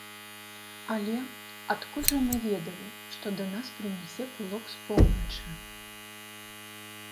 Але, адкуль жа мы ведалі, што да нас прынясе пылок з поўначы?